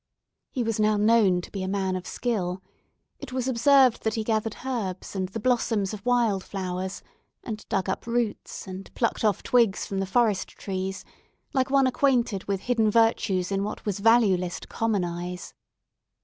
He was now known to be a man of skill; it was observed that he gathered herbs and the blossoms of wild flowers, and dug up roots and plucked off twigs from the forest trees like one acquainted with hidden virtues in what was valueless to common eyes.